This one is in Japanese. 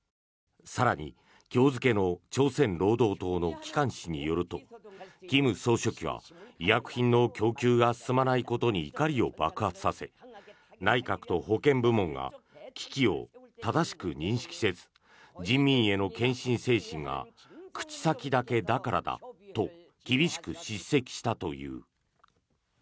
更に今日付の朝鮮労働党の機関紙によると金総書記は医薬品の供給が進まないことに怒りを爆発させ内閣と保健部門が危機を正しく認識せず人民への献身精神が口先だけだからだと厳しく叱責したという。